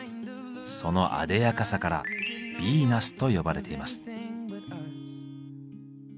そのあでやかさから「ヴィーナス」と呼ばれています。